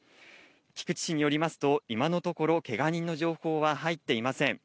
菊池市によりますと、今のところ、けが人の情報は入っていません。